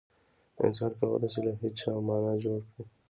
انسان کولای شي له هېڅه مانا جوړ کړي.